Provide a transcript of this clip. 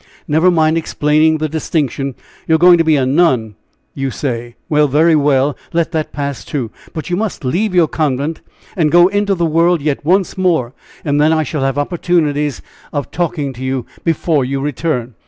"Never mind explaining the distinction. You are going to be a nun, you say! Very well let that pass, too! But you must leave your convent, and go into the world yet once more, and then I shall have opportunities of talking to you before your return."